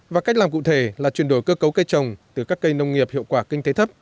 và cách làm cụ thể là chuyển đổi cơ cấu cây trồng từ các cây nông nghiệp hiệu quả kinh tế thấp